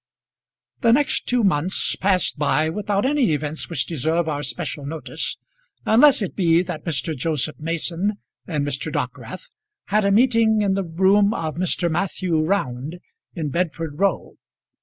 The next two months passed by without any events which deserve our special notice, unless it be that Mr. Joseph Mason and Mr. Dockwrath had a meeting in the room of Mr. Matthew Round, in Bedford Row.